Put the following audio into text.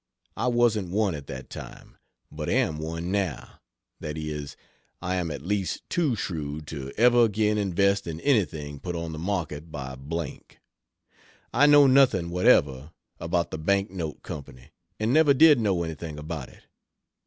I wasn't one at that time, but am one now that is, I am at least too shrewd to ever again invest in anything put on the market by B . I know nothing whatever about the Bank Note Co., and never did know anything about it.